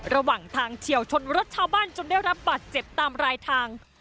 ระหว่างทางเฉียวชนรถชาวบ้านจนได้รับบาดเจ็บตามรายทาง